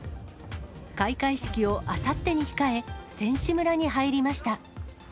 開会式をあさってに控え、選手村に入りました。